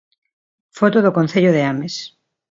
Foto do Concello de Ames.